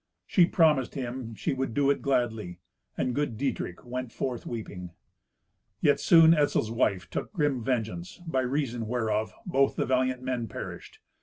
She promised him she would do it gladly, and good Dietrich went forth weeping. Yet soon Etzel's wife took grim vengeance, by reason whereof both the valiant men perished.